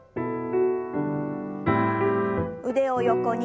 腕を横に。